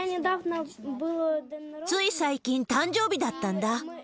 つい最近、誕生日だったんだ。